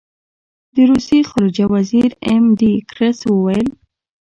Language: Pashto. د روسیې خارجه وزیر ایم ډي ګیرس وویل.